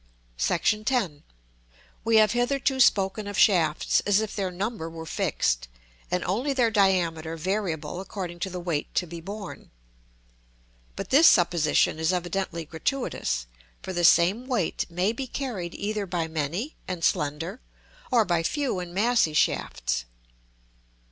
§ X. We have hitherto spoken of shafts as if their number were fixed, and only their diameter variable according to the weight to be borne. But this supposition is evidently gratuitous; for the same weight may be carried either by many and slender, or by few and massy shafts.